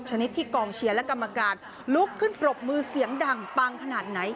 ชนิดที่กองเชียร์และกรรมการลุกขึ้นปรบมือเสียงดังปังขนาดไหน